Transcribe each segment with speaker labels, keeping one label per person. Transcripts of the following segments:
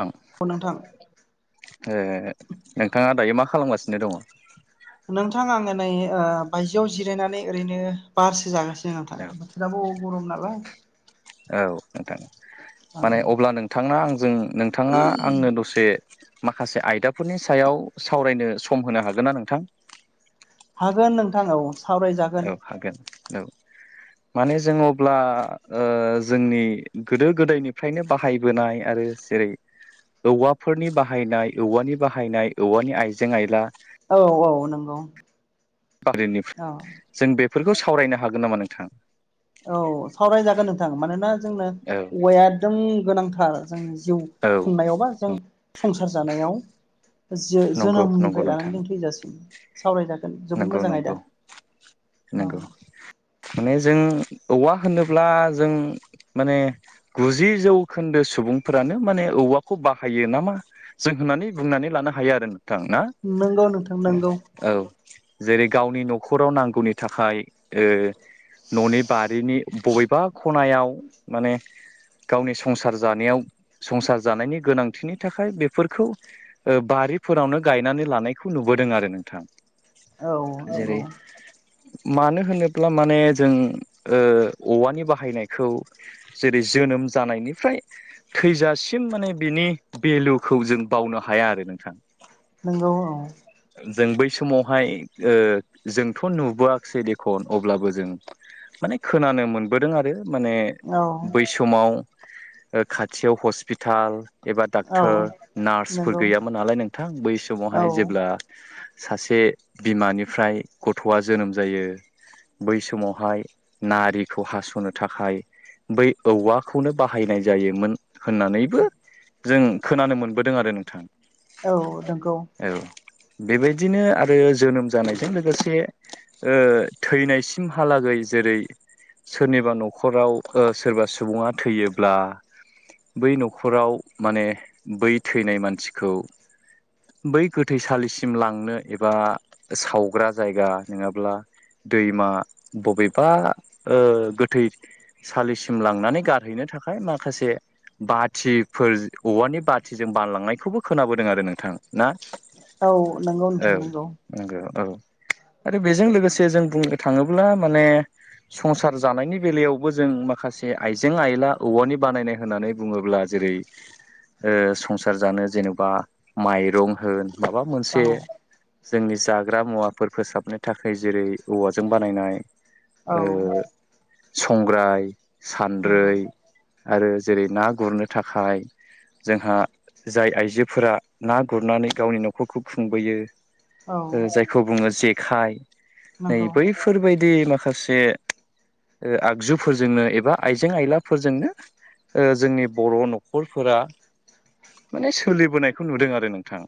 Speaker 1: ओं
Speaker 2: औ नोंथां
Speaker 1: नोंथाङा दायो मा खालामगासिनो दङ?
Speaker 2: नोंथां आङो नै ओ बायजोआव जिरायनानै ओरैनो बारसो जागासिनो नोंथां बोथोराबो गरम नालाय
Speaker 1: औ नोंथां
Speaker 2: औ
Speaker 1: माने अब्ला नोंथाङा आंजों नोंथाङा आंनो दसे माखासे आयदाफोरनि सायाव सावरायनो सम होनो हागोन ना नोंथां?
Speaker 2: हागोन नोंथां औ सावरायजागोन
Speaker 1: औ हागोन औ माने जों अब्ला ओ जोंनि गोदो गोदायनिफ्रायनो बाहायबोनाय आरो जेरै औवाफोरनि बाहायनाय औवानि बाहायनाय औवानि आइजें आइला
Speaker 2: औ औ नंगौ औ
Speaker 1: [inaudible] जों बेफोरखौ सावरायनो हागोन नामा नोंथां?
Speaker 2: औ सावरायजागोन नोंथां। मानोना जोंनो
Speaker 1: औ
Speaker 2: औवाया एकदम गोनांथार जों जिउ
Speaker 1: औ
Speaker 2: खुंनायाव बा जों संसार जानायाव जो-
Speaker 1: नंगौ नंगौ
Speaker 2: जोनोमनिफ्राय लानानै
Speaker 1: नोंथां
Speaker 2: जों थैजासिम सावरायजागोन जोबोद
Speaker 1: नंगौ
Speaker 2: मोजां आयदा
Speaker 1: नंगौ
Speaker 2: औ
Speaker 1: नंगौ माने जों औवा होनोब्ला जों माने गुजि जौखोन्दो सुबुंफोरानो माने औवाखौ बाहायो नामा जों होननानै बुंनानै लानो हायो आरो नो थां ना
Speaker 2: नंगौ नोंथां नंगौ
Speaker 1: औ जेरै गावनि न'खराव नांगौनि थाखाय ओ न'नि बारिनि बबेबा खनायाव माने गावनि संसार जानायाव संसार जानायनि गोनांथिनि थाखाय बेफोरखौ ओ बार रि बैफोरावनो गायनानै लानायखौ नुबोदों आरो नोंथां।
Speaker 2: औ नंगौ
Speaker 1: जेरै मानो होनोब्ला माने जों ओ औवानि बाहायनायखौ जेरै जोनोम जानायनिफ्राय थैजासिम माने बिनि भेलुखौ जों बावनो हाया आरो। नोंथां
Speaker 2: नोंगौ औ
Speaker 1: जों बै समाव हाय ओ जोंथ' नुबोआसै बेख' अब्लाबो जों माने खोनानो मोन बोदों आरो माने बै
Speaker 2: औ
Speaker 1: समाव ओ खाथियाव हस्पिटाल एबा
Speaker 2: औ
Speaker 1: डाक्टर नार्सफोर
Speaker 2: नंगौ
Speaker 1: गैयामोन नालाय नोंथां बै
Speaker 2: औ
Speaker 1: समावहाय जेब्ला सासे बिमानिफ्राय गथ'आ जोनोम जायो बै समावहाय नारिखौ हास'नो थाखाय बै औवाखौनो बाहायनाय जायोमोन होननानैबो जों खोनानो मोनबोदों आरो नोंथां।
Speaker 2: औ नंगौ।
Speaker 1: औ बेबायदिनो आरो जोनोम जानायजों लोगोसे ओ थैनायसिमहालागै जेरै सोरनिबा न'खराव ओ सोरबा सुबुङा थैयोब्ला बै न'खराव माने बै थैनाय मानसिखौ बै गोथैसालिसिम लांनो एबा सावग्रा जायगा नोङाब्ला दैमा बबेबा ओ गोथै सालिसिम लांनानै गारहैनो थाखाय माखासे बाथिफोर औवानि बाथिजों बानलांनायखौबो खोनाबोदों आरो नोंथां ना
Speaker 2: औ नंगौ
Speaker 1: औ
Speaker 2: नोंथां नंगौ
Speaker 1: नंगौ औ आरो बेजों लोगोसे जों बुंनो थाङोब्ला माने संसार जानायनि बेलायावबो जों माखासे आइजें आइला औवानि बानायनाय होननानै बुङोब्ला जों जेरै ओ संसार जानो जेनेबा माइरं होन माबा
Speaker 2: औ
Speaker 1: मोनसे जोंनि जाग्रा मुवाफोर फोसाबनो थाखाय जेरै औवाजों बानायनाय
Speaker 2: औ
Speaker 1: ओ संग्राय सान्द्रै
Speaker 2: नंगौ
Speaker 1: आरो जेरै ना गुरनो थाखाय जोंहा जाय आइजोफोरा ना गुरनानै गावनि न'खरखौ खुंबोयो
Speaker 2: औ
Speaker 1: जायखौ बुङो जेखाइ नै
Speaker 2: नंगौ
Speaker 1: बैफोरबायदि मा खासे ओ आगजुफोरजोंनो एबा आइजें आयलाफोरजोंनो ओ जोंनि बर' न'खरफोरा माने सोलिबोनायखौ नुदों आरो नोंथां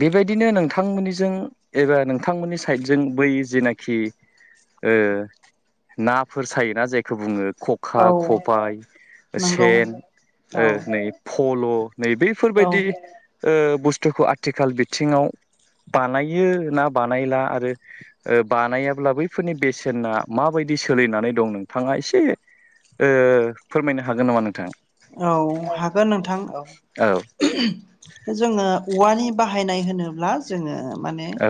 Speaker 1: बेबायदिनो नोंथांमोननिजों एबा नोंथांमोननि साइडजों बै जेनाखि ओ नाफोर सायोना जायखौ बुङो खखा
Speaker 2: औ
Speaker 1: खबाइ
Speaker 2: नंगौ
Speaker 1: सेन
Speaker 2: औ
Speaker 1: ओ नै फल' नै बैफोरबायदि
Speaker 2: औ
Speaker 1: ओ बुस्थुखौ आथिखाल बिथिङाव बानायो ना बानायला आरो ओ बानायाब्ला बैफोरनि बेसेना माबाय दि सोलिनानै दं नोंथाङा एसे ओ फोरमायनो हागोन नामा नोंथाङा
Speaker 2: औ हागोन नोंथां औ जोङो औवानि बाहायनाय होनोब्ला जोङो माने
Speaker 1: औ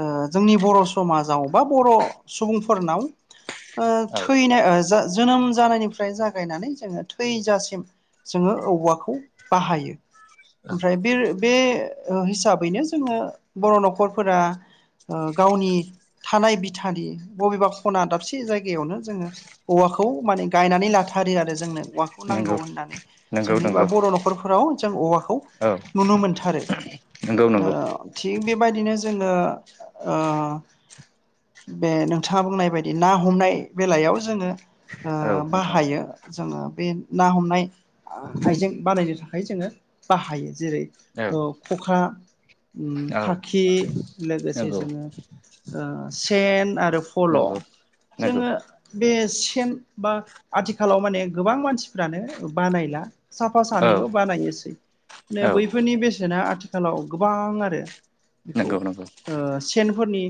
Speaker 2: ओ जोंनि बर' समाजाव बा बर' सुबुंफोरनाव ओ
Speaker 1: औ
Speaker 2: थैनो ओ जा जोनोम जानायनिफ्राय जागायनानै जोङो थैजासि सिम जोङो औवाखौ बाहायो ओमफ्राय बे बे हिसाबैनो जोङो बर' न'खरफोरा ओ गावनि थानाय बिथानि बबेबा खना दाबसे जायगायावनो जोङो औवा खौ माने गायनानै लाथारो आरो जोंनो औवाखौ नांगौ
Speaker 1: नंगौ
Speaker 2: होननानै
Speaker 1: नंगौ
Speaker 2: जोंनि बा
Speaker 1: नंगौ
Speaker 2: बर' न'खरफोराव जों औवाखौ
Speaker 1: औ
Speaker 2: नुनो मोनथारो
Speaker 1: नंगौ नंगौ
Speaker 2: ओ थिग बेबायदिनो जोङो ओ बे नोंथाङा बुंनाय बायदि ना हमनाय बेलायाव जोङो ओ
Speaker 1: औ नोंथां
Speaker 2: बाहायो जोङो बे ना हमनाय आइजें बानायनो था खाय जोङो बाहायो जेरै
Speaker 1: औ
Speaker 2: ओ खखा उम
Speaker 1: औ
Speaker 2: खाखि लोगोसे
Speaker 1: नंगौ
Speaker 2: जोङो ओ सेन आरो फल'
Speaker 1: नंगौ नंगौ
Speaker 2: जोङो बे सेन बा आथिखालाव माने गोबां मानसिफ्रानो बानायला साफा
Speaker 1: औ
Speaker 2: सानैल' बानायोसै माने
Speaker 1: औ
Speaker 2: बैफोरनि बेसेना आथिखालाव गोबां आरो बेखौ
Speaker 1: नंगौ नंगौ
Speaker 2: ओ सेन फोरनि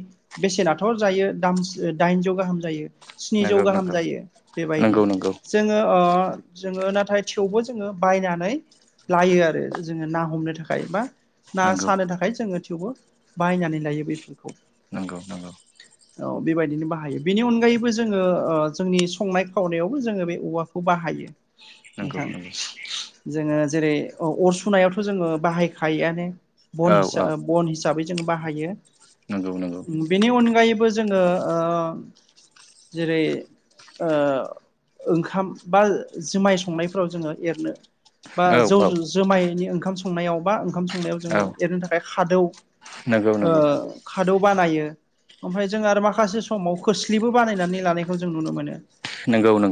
Speaker 2: बेसेनाथ' जायो दाम दाइनजौ गाहाम जायो स्निजौ
Speaker 1: नंगौ नंगौ
Speaker 2: गाहाम जायो बेबायदि
Speaker 1: नंगौ
Speaker 2: जोङो ओ जोङो नाथाय थेवबो जोङो बायनानै लायो आरो जोङो ना हमनो थाखाय बा ना
Speaker 1: नंगौ
Speaker 2: सानो थाखाय जोङो थेवबो बाहायनानै लायो बेफोर
Speaker 1: नंगौ नंगौ
Speaker 2: औ बेबायदिनो बाहायो बेनि अनगायैबो जोङो ओ जोंनि संनाय खावनायावबो जोङो बे औवाखौ बाहायो
Speaker 1: नंगौ
Speaker 2: नोंथां
Speaker 1: नंगौ
Speaker 2: जोङो जेरै अर सुनायावथ' जोङो बाहायखायोआनो बन
Speaker 1: औ
Speaker 2: हिसा
Speaker 1: औ
Speaker 2: बन हिसाबै जों बाहायो
Speaker 1: नंगौ नंगौ
Speaker 2: बेनि अनगायैबो जोङो ओ जेरै ओ ओंखाम बा जुमाय संनायफोराव जोङो एरनो बा
Speaker 1: औ
Speaker 2: जौ
Speaker 1: औ
Speaker 2: जोमायनि ओंखाम संनायाव बा ओंखाम सं संनायाव
Speaker 1: औ
Speaker 2: जोङनो थाखाय खादौ
Speaker 1: नंगौ नंगौ
Speaker 2: ओ खादौ बानायो ओमफ्राय जों आरो माखासे समाव खोस्लिबो बानायनानै लानायखौ जों नुनो मोनो।
Speaker 1: नंगौ नंगौ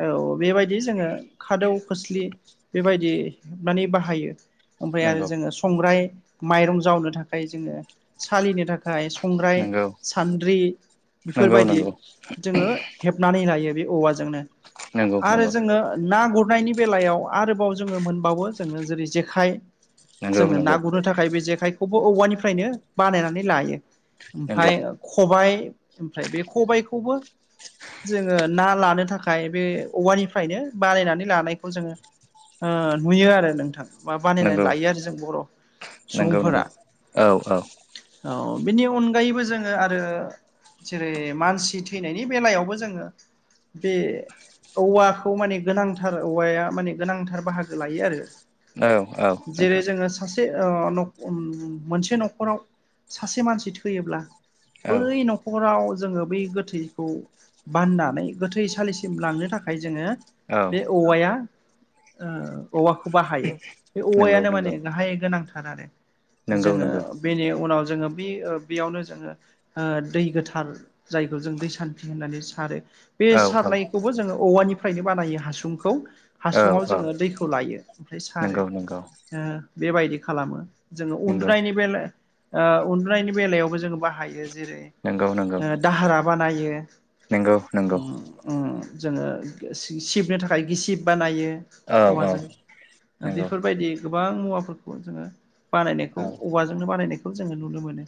Speaker 2: औ औ बेबायदि जोङो खादौ खोस्लि बेबायदि हेबनानै बाहायो। ओमफ्राय आरो
Speaker 1: नंगौ
Speaker 2: जोङो संग्राय माइरं जावनो थाखाय जोङो सालिनो थाखाय खंग्राइ
Speaker 1: नंगौ
Speaker 2: सान्द्रि
Speaker 1: नंगौ
Speaker 2: बेफोरबायदि जोङो हेबनानै लायो। बे औवाजोंनो
Speaker 1: नंगौ नंगौ
Speaker 2: आरो जोङो ना गुर नायनि बेलायाव आरोबाव जोङो मोनबावो जोङो जेरै जेखाइ
Speaker 1: नंगौ
Speaker 2: जोङो
Speaker 1: नंगौ
Speaker 2: ना गुरनो थाखाय बे जेखायखौबो औवानिफ्रायनो बानायनानै लायो। ओमफ्राय खबाय ओमफ्राय बे खबायखौबो जोङो ना लानो थाखाय बे औवानिफ्रायनो बानायनानै लानायखौ जोङो नुयो आरो नोंथां। मा बानायनानै
Speaker 1: नंगौ
Speaker 2: लायो आरो जों बर'
Speaker 1: नंगौ
Speaker 2: सुबुंफोरा
Speaker 1: नंगौ औ औ
Speaker 2: औ बिनि अनगायैबो जोङो आरो जेरै मानसि थैनायनि बेलायावबो जोङो बे औवाखौ माने गोनांथार औवाया माने गोनांथार बाहागो लायो आरो
Speaker 1: औ औ
Speaker 2: जेरै
Speaker 1: नोंथां
Speaker 2: जोङो सासे मोनसे न'खराव सासे मानसि थैयोब्ला
Speaker 1: औ
Speaker 2: बै न'खराव जोङो बै गोथैखौ बाननानै गोथै सलिसिम लांनो थाखाय जोङो
Speaker 1: औ
Speaker 2: बे औवाया औवाखौ बाहायो बे
Speaker 1: नंगौ
Speaker 2: औवायानो माने
Speaker 1: नंगौ
Speaker 2: गाहाय गोनांथार आरो
Speaker 1: नंगौ
Speaker 2: जोङो
Speaker 1: नंगौ
Speaker 2: बेनि उनाव जोङो बे बेयावनो जोङो दै गोथार जायखौ जों दै सान्थि होननानै सारो बे
Speaker 1: औ औ
Speaker 2: सारनायखौबो जोङो औवानिफ्रायनो बानायो हासुंखौ
Speaker 1: औ
Speaker 2: हासुङाव
Speaker 1: औ
Speaker 2: जोङो दैखौ लायो ओमफ्राय सारो
Speaker 1: नंगौ नंगौ
Speaker 2: बेबायदि खालामो। जोङो
Speaker 1: नंगौ
Speaker 2: उन्दुनायनि बेला उन्दुनायनि बेलायावबो जोङो बाहायो। जेरै
Speaker 1: नंगौ नंगौ
Speaker 2: दाहारा बानायो।
Speaker 1: नंगौ
Speaker 2: जोङो सिबनो थाखाय गिसिब बानायो।
Speaker 1: औ औ
Speaker 2: औवाजों
Speaker 1: नंगौ
Speaker 2: बेफोरबायदि गोबां मुवाफोरखौ जोङो बानायनायखौ
Speaker 1: औ
Speaker 2: औवाजोंनो बानायनायखौ जोङो नुनो मोनो।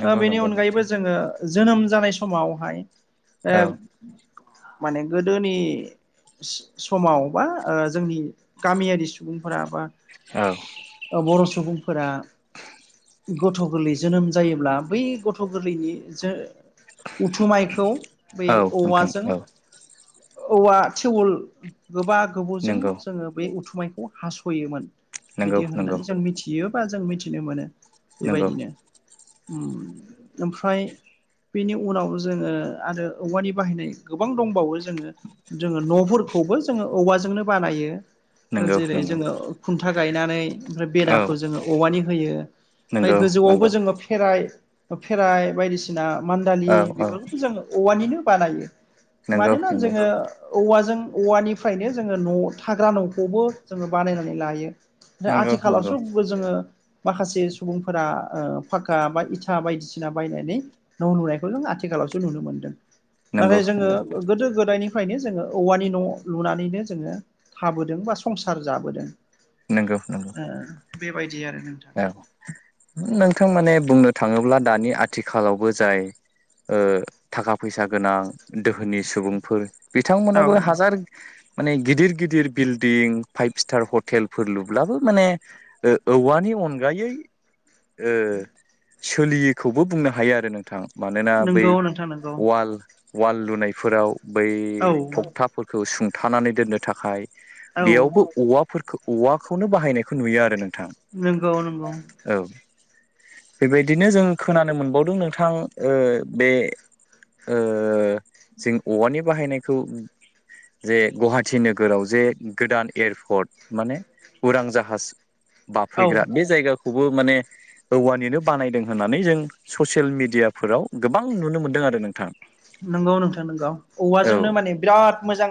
Speaker 1: नंगौ
Speaker 2: बेनि
Speaker 1: नंगौ
Speaker 2: अनगायैबो
Speaker 1: नोंथां
Speaker 2: जोङो जोनोम जानाय समावहाय
Speaker 1: औ
Speaker 2: माने गोदोनि समाव बा जोंनि गामियारि सुबुंफोरा बा
Speaker 1: औ
Speaker 2: बर' सुबुं फोर गथ' गोरलै जोनोम जायोब्ला बै गथ' गोरलैनि जा उथुमायखौ बे
Speaker 1: औ नोंथां
Speaker 2: औवाजों
Speaker 1: औ
Speaker 2: औवा थटिउल गोबा गोबौजों
Speaker 1: नंगौ
Speaker 2: जोङो बे उथु मायखौ हास'योमोन
Speaker 1: नंगौ
Speaker 2: बिदि
Speaker 1: नंगौ
Speaker 2: होननानै जों मिथियो बा जों मिथिनो मोनो।
Speaker 1: नंगौ
Speaker 2: बेबायदिनो ओम ओमफ्राय बेनि उनाव जोङो आरो औवानि बाहायनाय गोबां दंबावो जोङो जोङो न'फोरखौबो जोङो औवाजोंनो बानायो।
Speaker 1: नंगौ
Speaker 2: जेरै
Speaker 1: नंगौ
Speaker 2: जोङो खुन्था गायनानै ओमफ्राय
Speaker 1: औ
Speaker 2: बेराखौ जोङो औवानि होयो ओमफ्राय
Speaker 1: नंगौ
Speaker 2: गोजौआवबो
Speaker 1: नंगौ
Speaker 2: जोङो फेराइ फेराइ बायदिसिना मान्दालि
Speaker 1: औ
Speaker 2: बेफोरखौबो जों औवानिनो बानायो। मानोना
Speaker 1: नोंगौ
Speaker 2: जोङो औवाजों औवानिफ्रायनो जोङो न' थाग्रा न'खौबो जोङो बानायनानै लायो।
Speaker 1: नंगौ नंगौ
Speaker 2: आथिखालावसो जोङो माखासे सुबुंफोरा ओ फाक्का बा इ बायदिसिना बायनानै न' नुनायखौ जों आथिखालावसो नुनो मोन्दों।
Speaker 1: नंगौ
Speaker 2: नाथाय जोङो
Speaker 1: नंगौ
Speaker 2: गोदो गोद निफ्रायनो जोङो औवानि न' लुनानैनो जोङो थाबोदों बा संसार जाबोदों
Speaker 1: नंगौ नंगौ
Speaker 2: ओ बेबायदि आरो नोंथां
Speaker 1: औ नोंथां माने बुंनो थाङोब्ला दानि आथिखालावबो जाय ओ थाखा फैसा गोनां दोहोनि सुबुंफोर
Speaker 2: औ
Speaker 1: बिथांमोनाबो हाजार माने गिदिर गिदिर बिल्डिं फाइभ स्टार हटेलफोर लुब्लाबो माने औवानि नि अनगायै ओ सोलियै खौबो बुंनो हायो आरो नोंथां मानोना बै
Speaker 2: नंगौ नोंथां नंगौ
Speaker 1: अवाल अवाल लुनायफोराव बै
Speaker 2: औ
Speaker 1: थखथाफोरखौ सुंथानानै दोननो थाखाय
Speaker 2: औ
Speaker 1: बेयावबो औवाफोरखौ औवाखौनो बाहायनायखौ नुयो आरो नोंथां।
Speaker 2: नंगौ नंगौ
Speaker 1: औ बेबायदिनो जों खोनानो मोनबावदों नोंथां ओ बे जों औवानि बाहायनायखौ जे गुवाहाटि नोगोराव जे गोदान एयारपर्ट माने उरां जाहाज
Speaker 2: औ
Speaker 1: बाफैग्रा बे जायगा खौबो माने औवानिनो बानायदों होननानै जों ससियेल मिडियाफोराव गोबां नुनो मोनदों। आरो नोंथां
Speaker 2: नंगौ नोंथां नोंगौ
Speaker 1: औ
Speaker 2: औवाजोंनो माने बिराद मोजां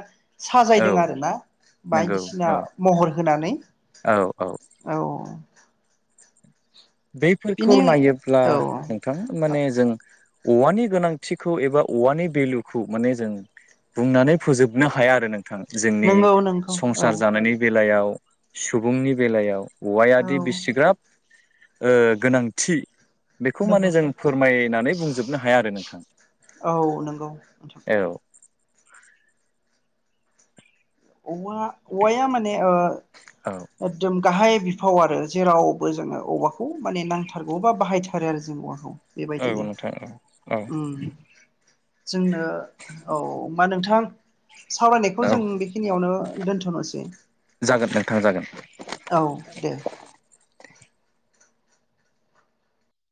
Speaker 1: औ
Speaker 2: साजायदों आरो ना
Speaker 1: नंगौ
Speaker 2: बायदिसिना
Speaker 1: औ
Speaker 2: महर होनानै
Speaker 1: औ औ बेफोरखौ
Speaker 2: बिनि
Speaker 1: नायोब्ला
Speaker 2: औ
Speaker 1: नोंथां माने जों औवानि गोनांथिखौ एबा औवानि भेलुखौ माने जों बुंनानै फोजोबनो हाया आरो नों थां जोंनि
Speaker 2: नंगौ नंगौ औ
Speaker 1: संसार जानायनि बेलायाव सुबुंनि बेलायाव
Speaker 2: औ
Speaker 1: औवायादि बिसिग्राब ओ गोनांथि बेखौ माने
Speaker 2: नंगौ
Speaker 1: जों फोरमायनानै बुंजोबनो हाया आरो नोंथां।
Speaker 2: नोंगौ
Speaker 1: औ
Speaker 2: औवा-औवाया माने ओ
Speaker 1: औ
Speaker 2: एकदम गाहाय बि फाव आरो जेरावबो जोङो औवाखौ माने नांथारगौ बा बाहायथारो आरो जों औवाखौ
Speaker 1: औ
Speaker 2: बेबायदिनो
Speaker 1: नोंथां औ औ
Speaker 2: ओम जोंनो औ मा नोंथां सावरायनायखौ
Speaker 1: औ
Speaker 2: जों बे यावनो दोन्थ'नोसै।
Speaker 1: जागोन नोंथां जागोन।
Speaker 2: औ दे